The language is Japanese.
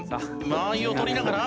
間合いを取りながら。